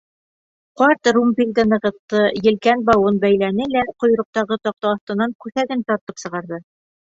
Ҡарт румпелде нығытты, елкән бауын бәйләне лә ҡойроҡтағы таҡта аҫтынан күҫәген тартып сығарҙы.